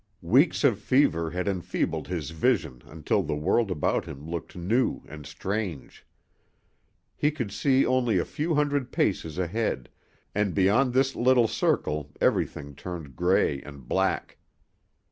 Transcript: Weeks of fever had enfeebled his vision until the world about him looked new and strange. He could see only a few hundred paces ahead, and beyond this little circle everything turned gray and black.